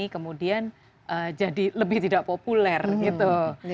kemudian jadi lebih tidak populer gitu